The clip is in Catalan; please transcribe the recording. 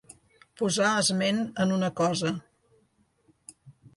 Posar esment en una cosa.